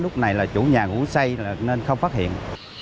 lúc này là chủ nhà ngủ say nên không phát hiện